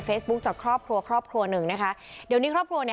จากครอบครัวครอบครัวหนึ่งนะคะเดี๋ยวนี้ครอบครัวเนี้ย